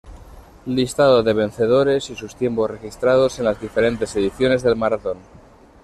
Listado de vencedores y sus tiempos registrados en las diferentes ediciones del maratón.